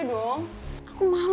ibu yang ambil